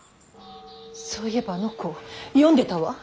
そういえばあの子読んでたわ。